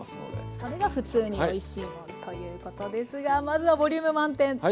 それが「ふつうにおいしいもん」ということですがまずはボリューム満点丼のつくり方から。